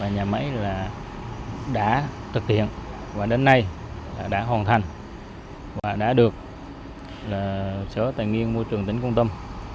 nhà máy đã thực hiện và đến nay đã hoàn thành và đã được sở tài nguyên môi trường tỉnh quan tâm